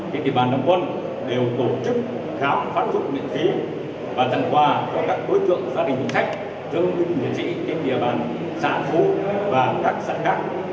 kinh tế bàn đồng quân đều tổ chức khám phát thuốc miễn phí và dần qua có các cúi dưỡng gia đình chính sách